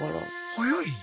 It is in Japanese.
早い。